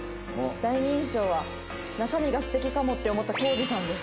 第二印象は「中身が素敵かもって思ったコージさんです」。